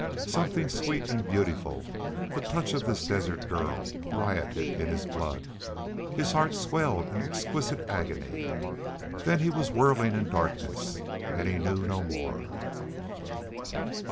Something sweet and beautiful, the touch of this desert girl, rioted in his blood; his heart swelled in exquisite agony. Then he was whirling in darkness; and he knew no more.